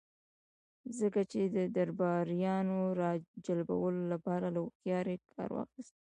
ځکه يې د درباريانو د را جلبولو له پاره له هوښياری کار واخيست.